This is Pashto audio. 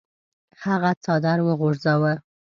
هغه څادر وغورځاوه.